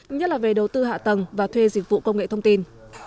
nhất là về đầu tư hạ tầng và thuê dịch vụ công nghệ thông tin